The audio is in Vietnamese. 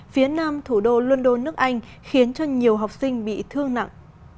phía nam thủ đô london nước anh khiến cho nhiều học sinh bị thương nặng